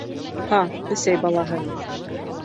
— Һа, бесәй балаһы!